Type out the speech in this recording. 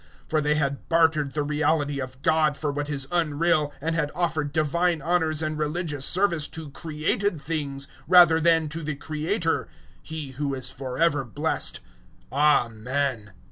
001:025 For they had bartered the reality of God for what is unreal, and had offered divine honours and religious service to created things, rather than to the Creator He who is for ever blessed. Amen.